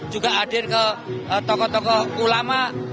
juga hadir ke tokoh tokoh ulama